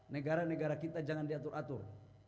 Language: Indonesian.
negara negara kita jangan diatur atur